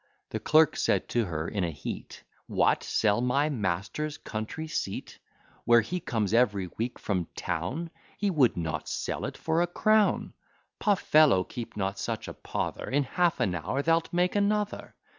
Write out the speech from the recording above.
The clerk said to her in a heat, What! sell my master's country seat, Where he comes every week from town! He would not sell it for a crown. Poh! fellow, keep not such a pother; In half an hour thou'lt make another.